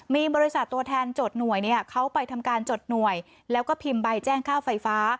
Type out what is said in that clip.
มีบริษัทตัวแทนจดหน่วยเนี่ยเขาไปทำการจดหน่วยแล้วก็พิมพ์ใบแจ้งค่าไฟฟ้า